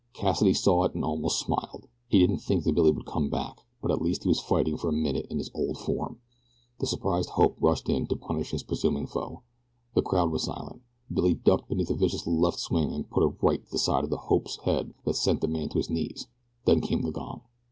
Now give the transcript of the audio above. Cassidy saw it and almost smiled. He didn't think that Billy could come back but at least he was fighting for a minute in his old form. The surprised "hope" rushed in to punish his presuming foe. The crowd was silent. Billy ducked beneath a vicious left swing and put a right to the side of the "hope's" head that sent the man to his knees. Then came the gong.